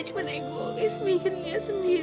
cuman ibu mikir liat sendiri